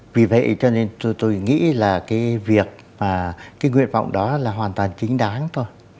vì vậy cho nên tôi nghĩ là cái việc mà cái nguyện vọng đó là hoàn toàn chính đáng thôi